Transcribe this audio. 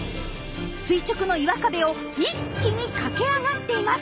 垂直の岩壁を一気に駆け上がっています！